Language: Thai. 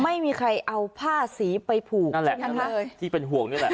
ไม่มีใครเอาผ้าสีไปผูกนั่นแหละที่เป็นห่วงนี่แหละ